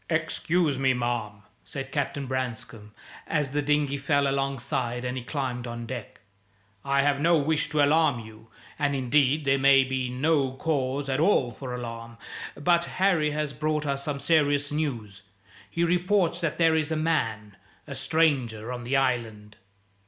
"Excuse me, ma'am," said Captain Branscome, as the dinghy fell alongside and he climbed on deck. "I have no wish to alarm you, and, indeed, there may be no cause at all for alarm. But Harry has brought us some serious news. He reports that there is a man a stranger on the Island."